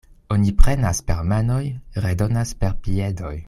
Oni prenas per manoj, redonas per piedoj.